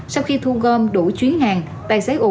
sau khi thu gom đủ chuyến hàng tài xế ú